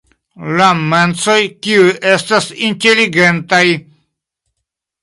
La mensoj kiuj estas inteligentaj.